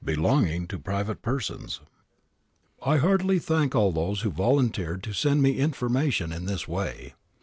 belonging to private persons. I heartily thank all those who volunteered to send me information in this way.